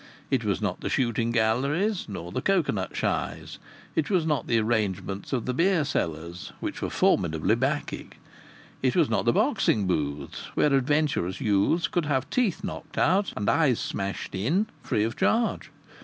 It was not the shooting galleries, nor the cocoanut shies. It was not the arrangements of the beersellers, which were formidably Bacchic. It was not the boxing booths, where adventurous youths could have teeth knocked out and eyes smashed in free of charge.